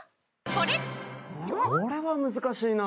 これは難しいな。